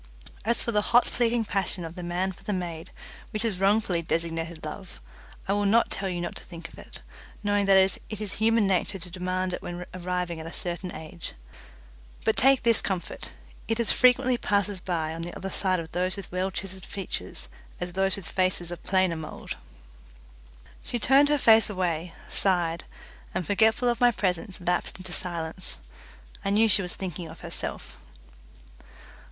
As for the hot fleeting passion of the man for the maid, which is wrongfully designated love, I will not tell you not to think of it, knowing that it is human nature to demand it when arriving at a certain age; but take this comfort: it as frequently passes by on the other side of those with well chiselled features as those with faces of plainer mould." She turned her face away, sighed, and forgetful of my presence lapsed into silence. I knew she was thinking of herself.